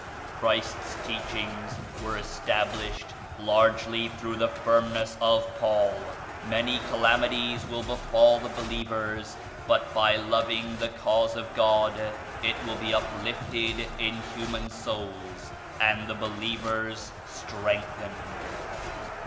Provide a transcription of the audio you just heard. Christ's Teachings were established largely through the firmness of Paul. Many calamities will befall the believers, but by loving the Cause of God, it will be uplifted in human souls and the believers strengthened.